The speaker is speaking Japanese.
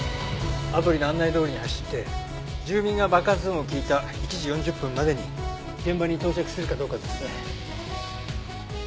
アプリの案内どおりに走って住民が爆発音を聞いた１時４０分までに現場に到着するかどうかですね。